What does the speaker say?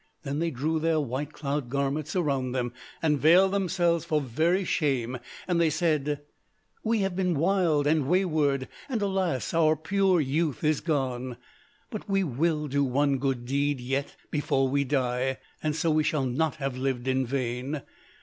Then they drew their white cloud garments around them, and veiled themselves for very shame: and they said, 'We have been wild and wayward: and alas, our pure youth is gone. But we will do one good deed, yet, before we die, and so we shall not have lived in vain.